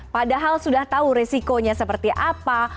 padahal sudah tahu risikonya seperti apa